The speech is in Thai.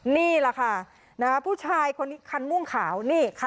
นี่แหละค่ะนะคะผู้ชายคนขามึงขาวนี่ขนนี้